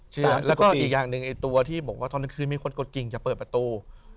แล้วก็อีกอย่างหนึ่งไอ้ตัวที่บอกว่าตอนกลางคืนมีคนกดกิ่งจะเปิดประตู